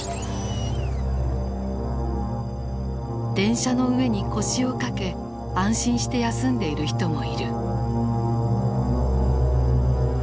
電車の上に腰を掛け安心して休んでいる人もいる。